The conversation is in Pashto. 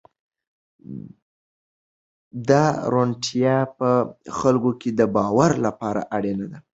دا روڼتیا په خلکو کې د باور لپاره اړینه ده.